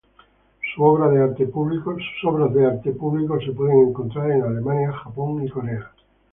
Sus obras de arte público se pueden encontrar en Alemania, Japón y Corea.